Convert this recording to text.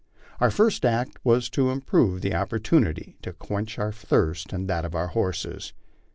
Our first act was to improve the opportunity to quench our thirst and that of our horses.